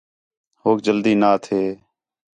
ہوک جلدی نا تھے